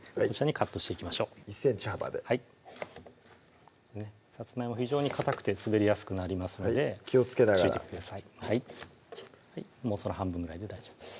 カットしていきましょう１ｃｍ幅ではいさつまいも非常にかたくて滑りやすくなりますので気をつけながらはいもうその半分ぐらいで大丈夫です